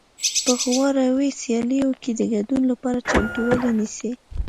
په غوراوي سیالیو کې د ګډون لپاره چمتووالی نیسي